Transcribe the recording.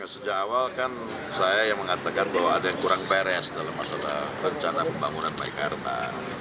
sejak awal kan saya yang mengatakan bahwa ada yang kurang beres dalam masalah rencana pembangunan meikarta